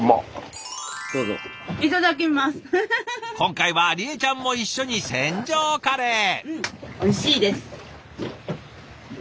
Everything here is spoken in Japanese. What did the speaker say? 今回は里恵ちゃんも一緒に船上カレー。